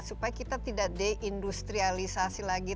supaya kita tidak deindustrialisasi lagi